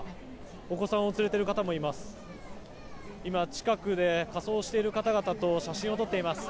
お子さんを連れている方もいます。